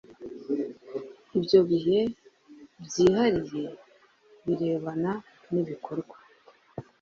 ibyo bihe byihariye birebana n ibikorwa